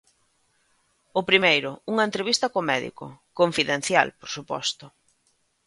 O primeiro, unha entrevista co médico, confidencial, por suposto.